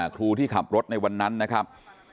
ครูที่ขับรถในวันนั้นนะครับ